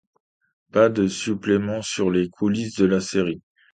Pas de suppléments sur les coulisses de la série.